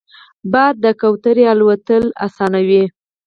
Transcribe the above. باد د کوترې الوت اسانوي